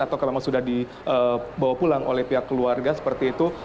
atau memang sudah dibawa pulang oleh pihak keluarga seperti itu